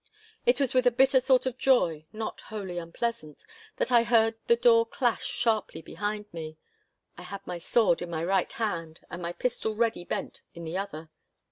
It was with a bitter sort of joy, not wholly unpleasant, that I heard the door clash sharply to behind me. I had my sword in my right hand and my pistol ready bent in the other.